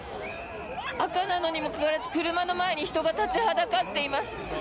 赤なのにもかかわらず車の前に人が立ちはだかっています。